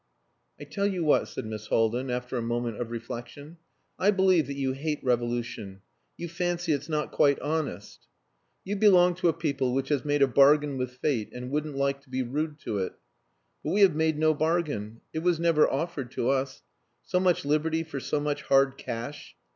"I tell you what," said Miss Haldin, after a moment of reflection. "I believe that you hate revolution; you fancy it's not quite honest. You belong to a people which has made a bargain with fate and wouldn't like to be rude to it. But we have made no bargain. It was never offered to us so much liberty for so much hard cash.